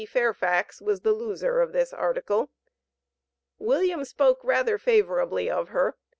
Fairfax was the loser of this "article." William spoke rather favorably of her.